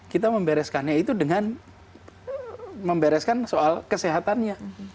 kita membereskannya itu dengan membereskan soal kesehatannya